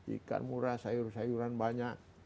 ikan murah sayur sayuran banyak